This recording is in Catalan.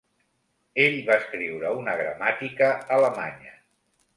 Ell va escriure una gramàtica alemanya.